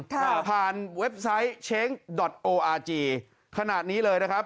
ผ่านเว็บไซต์เช้งดอทโออาจีขนาดนี้เลยนะครับ